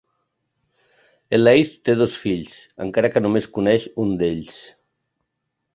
Elaith té dos fills, encara que només coneix un d'ells.